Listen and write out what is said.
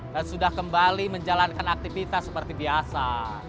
dan sudah kembali menjalankan aktivitas seperti biasa